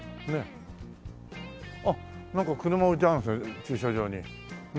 あっなんか車置いてあるんですね駐車場に。